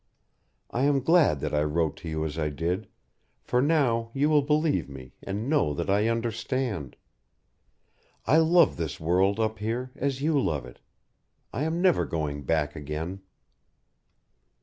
I am glad that I wrote to you as I did, for now you will believe me and know that I understand. I love this world up here as you love it. I am never going back again."